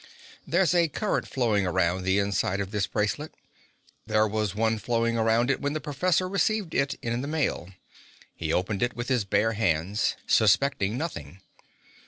"There's a current flowing around the inside of this bracelet. There was one flowing around it when the professor received it in the mail. He opened it with his bare hands, suspecting nothing.